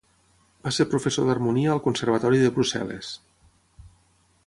Va ser professor d'harmonia al Conservatori de Brussel·les.